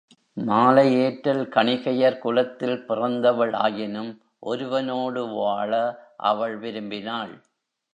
மாலை ஏற்றல் கணிகையர் குலத்தில் பிறந்தவள் ஆயினும் ஒருவனோடு வாழ அவள் விரும்பினாள்.